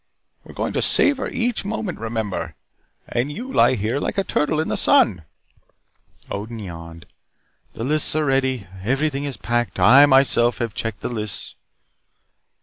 We were going to savor each moment, remember! And you lie here like a turtle in the sun." Odin yawned. "The lists are ready. Everything is packed. I, myself, have checked the lists."